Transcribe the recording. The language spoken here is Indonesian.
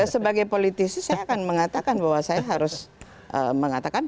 sebagai politisi saya akan mengatakan bahwa saya harus mengatakan